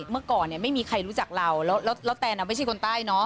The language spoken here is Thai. เมื่อก่อนเนี่ยไม่มีใครรู้จักเราแล้วแตนไม่ใช่คนใต้เนาะ